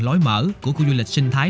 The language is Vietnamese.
lối mở của khu du lịch sinh thái